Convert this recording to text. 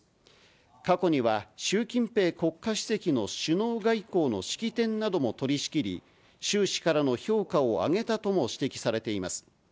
過去には習近平国家主席の首脳外交の式典なども取りしきり、習氏からの評価を上げたとも指摘されています。